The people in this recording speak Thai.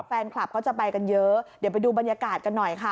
แฟนคลับเขาจะไปกันเยอะเดี๋ยวไปดูบรรยากาศกันหน่อยค่ะ